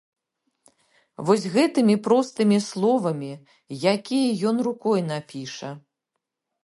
Вось гэтымі простымі словамі, якія ён рукой напіша.